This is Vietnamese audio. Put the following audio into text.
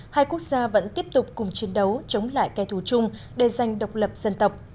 hai quốc gia vẫn tiếp tục cùng chiến đấu chống lại kẻ thù chung đề danh độc lập dân tộc